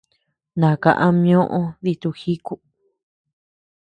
Naka ama ñoʼo dítuu jíkuu.